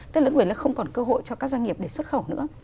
tức là người không còn cơ hội cho các doanh nghiệp để xuất khẩu nữa